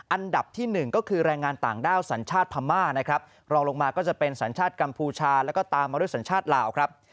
อันดับที่หนึ่งก็คือแรงงานต่างด้าวสัญชาติพม่านะครับรองลงมาก็จะเป็นสัญชาติกัมพูชาแล้วก็ตามมาด้วยสัญชาติลาวครับ